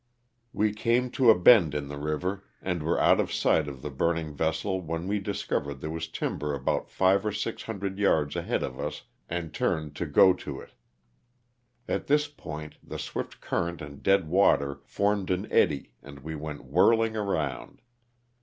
We came to a bend in 208 LOSS OF THE SULTANA. the river and were out of sight of the burning vessel when we discovered there was timber about five or six hundred yards ahead of us and turned to go to it. At this point the swift current and dead water formed an eddy and we went whirling around.